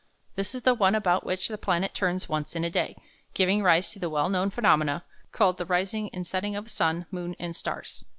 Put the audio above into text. This is the one about which the planet turns once in a day, giving rise to the well known phenomena called the rising and setting of sun, moon, and stars.